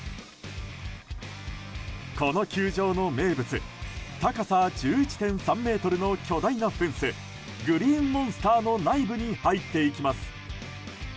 この球場の名物高さ１１．３ｍの巨大なフェンスグリーンモンスターの内部に入っていきます。